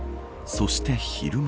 そして、昼前。